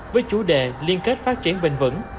với chủ đề liên kết phát triển bình vẩn